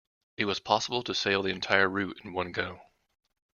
It was possible to sail the entire route in one go.